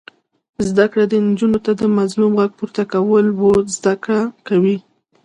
زده کړه نجونو ته د مظلوم غږ پورته کول ور زده کوي.